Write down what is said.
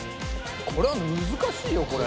これは難しいよこれ。